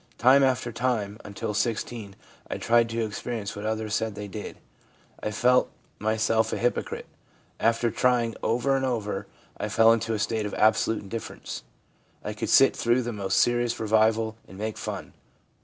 Time after time, until 16, I tried to experience what others said they did. I felt myself a hypocrite. After trying over and over I fell into a state of absolute indifference. I could sit through the most serious revival and make fun.